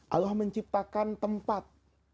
allah menciptakan tempat